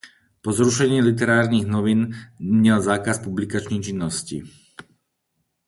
Po zrušení "Literárních novin" měl zákaz publikační činnosti.